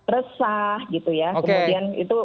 resah gitu ya kemudian itu